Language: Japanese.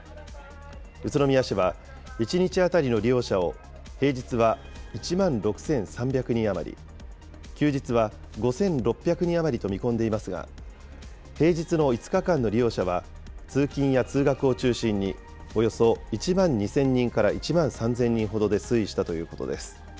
宇都宮市は１日当たりの利用者を平日は１万６３００人余り、休日は５６００人余りと見込んでいますが、平日の５日間の利用者は、通勤や通学を中心におよそ１万２０００人から１万３０００人ほどで推移したということです。